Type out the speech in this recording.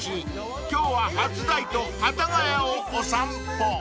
今日は初台と幡ヶ谷をお散歩］